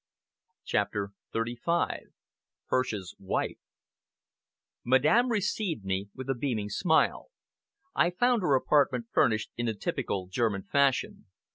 CHAPTER XXXV "HIRSCH'S WIFE" Madame received me with a beaming smile. I found her apartment furnished in the typical German fashion.